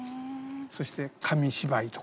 そして紙芝居とかね